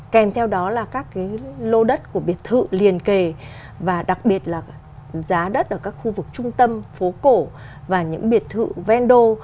kèm theo đó là các cái lô đất của biệt thự liền kề và đặc biệt là giá đất ở các khu vực trung tâm phố cổ và những biệt thự vendo